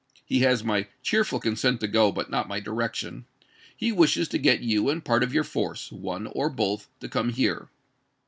He has my cheerful consent to go, but not my direction. He wishes to get you and part of your force, one or both, to come here.